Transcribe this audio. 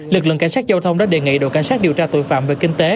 lực lượng cảnh sát giao thông đã đề nghị đội cảnh sát điều tra tội phạm về kinh tế